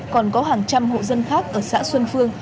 còn có hàng trăm hộ dân khác ở xã xuân phương